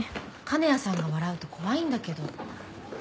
金谷さんが笑うと怖いんだけど。